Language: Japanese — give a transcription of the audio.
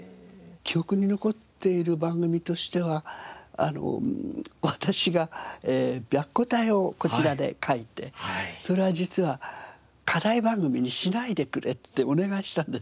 記憶に残っている番組としては私が『白虎隊』をこちらで書いてそれは実は課題番組にしないでくれってお願いしたんです。